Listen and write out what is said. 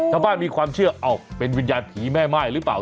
ชาวบ้านมีความเชื่อเป็นวิญญาณผีแม่ม่ายหรือเปล่า